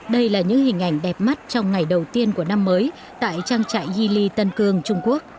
đây là những hình ảnh đẹp mắt trong ngày đầu tiên của năm mới tại trang trại y tân cương trung quốc